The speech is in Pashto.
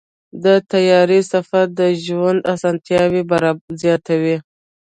د طیارې سفر د ژوند اسانتیاوې زیاتوي.